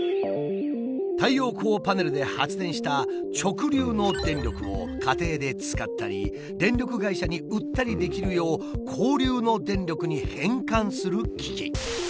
太陽光パネルで発電した直流の電力を家庭で使ったり電力会社に売ったりできるよう交流の電力に変換する機器。